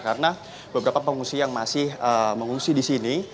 karena beberapa pengungsi yang masih mengungsi di sini